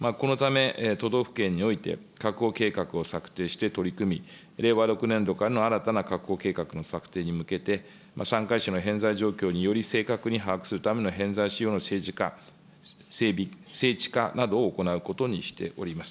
このため、都道府県において、確保計画を策定して、取り組み、令和６年度からの新たな確保計画の策定に向けて、産科医師の偏在状況により、正確に把握するための偏在しようの整備、精緻化などを行うことにしております。